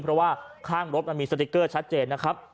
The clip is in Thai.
เพราะว่าข้างรถมันมีสติ๊กเกอร์ชัดเจนนะครับ